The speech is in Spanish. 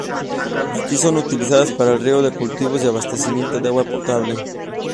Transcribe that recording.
Aquí son utilizadas para riego de cultivos y abastecimiento de agua potable.